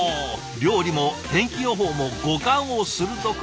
料理も天気予報も五感を鋭く。